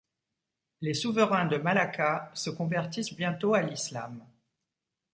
Les souverains de Malacca se convertissent bientôt à l'islam.